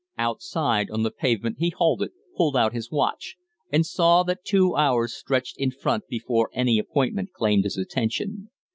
Outside on the pavement he halted, pulled out his watch, and saw that two hours stretched in front before any appointment claimed his attention.